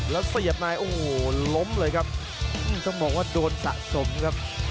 แล้วเสียบในโอ้โหล้มเลยครับต้องบอกว่าโดนสะสมครับ